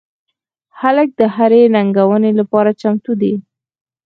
هلک د هرې ننګونې لپاره چمتو دی.